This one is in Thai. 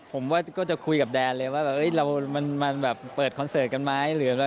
ผมว่าก็จะคุยกับแดนเลยว่ามันแบบเปิดคอนเสิร์ตกันไหม